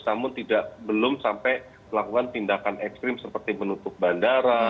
namun belum sampai melakukan tindakan ekstrim seperti menutup bandara